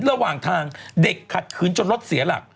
ระหว่างทางเด็กขัดขืนจนรถเสียหลัก